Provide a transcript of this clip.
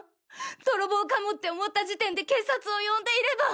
泥棒かもって思った時点で警察を呼んでいれば。